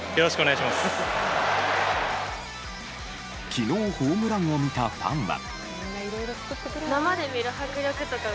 昨日、ホームランを見たファンは。